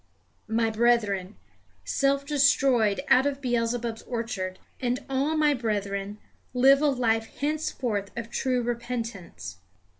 My brethren, self destroyed out of Beelzebub's orchard, and all my brethren, live a life henceforth of true repentance.